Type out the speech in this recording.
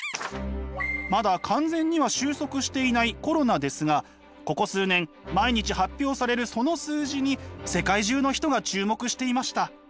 まだ完全には収束していないコロナですがここ数年毎日発表されるその数字に世界中の人が注目していました。